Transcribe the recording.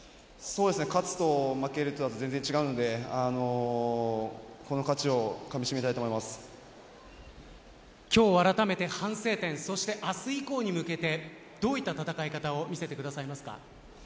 勝つと負けるでは全然違うのでこの勝ちを今日、あらためて反省点そして明日以降に向けてどういった戦い方を見せてくださいますか？